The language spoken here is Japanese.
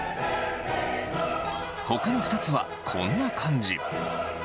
ほかの２つは、こんな感じ。